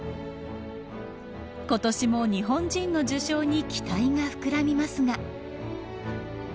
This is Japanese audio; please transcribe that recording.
今年も日本人の受賞に期待が膨らみますが。